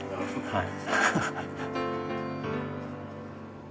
はい。